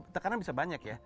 tekanan bisa banyak ya